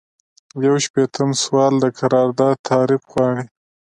یو شپیتم سوال د قرارداد تعریف غواړي.